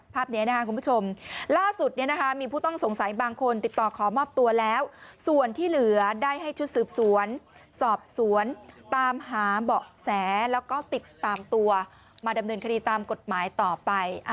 ภาพนี้นะครับคุณผู้ชมล่าสุดมีผู้ต้องสงสัยบางคนติดต่อขอมอบตัวแล้วส่วนที่เหลือได้ให้ชุดสืบสวนสอบสวนตามหาเบาะแสแล้วก็ติดตามตัวมาดำเนินคดีตามกฎหมายต่อไป